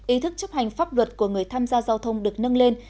ý thức chấp hành pháp luật của người tham gia giao thông được nâng lên